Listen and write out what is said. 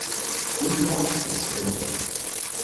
Who locked this door?